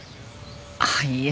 あっいいえ。